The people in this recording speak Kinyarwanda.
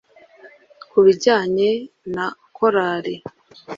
Ku bijyanye na Korali